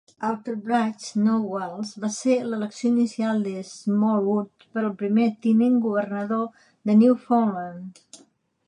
Outerbridge, no Walsh, va ser l'elecció inicial de Smallwood per al primer tinent-governador de Newfoundland.